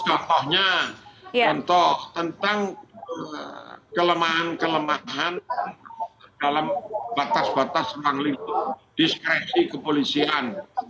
contohnya contoh tentang kelemahan kelemahan dalam batas batas yang diskresi kepolisian